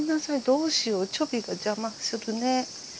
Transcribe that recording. どうしようチョビが邪魔するね。